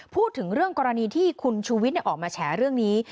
พูดถึงเรื่องกรณีที่คุณชูวิทย์ออกมาแฉเรื่องนี้